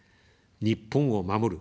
日本を守る。